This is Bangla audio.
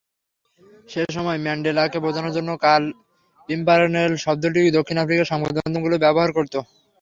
সেই সময় ম্যান্ডেলাকে বোঝানোর জন্য কাল পিম্পারনেল শব্দটি দক্ষিণ আফ্রিকার সংবাদমাধ্যমগুলো ব্যবহার করত।